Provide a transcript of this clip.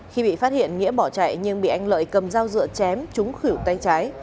khi bị phát hiện nghĩa bỏ chạy nhưng bị anh lợi cầm dao dựa chém trúng khỉu tay trái